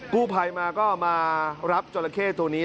กู้ภัยมาก็มารับจราเข้ตัวนี้